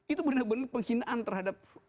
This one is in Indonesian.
itu benar benar penghinaan terhadap